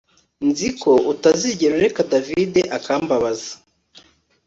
Nzi ko utazigera ureka David akambabaza